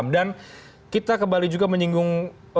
dan kita kembali juga menyinggung